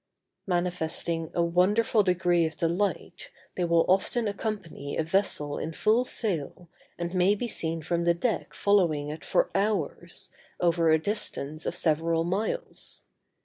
Manifesting a wonderful degree of delight, they will often accompany a vessel in full sail, and may be seen from the deck following it for hours, over a distance of several miles.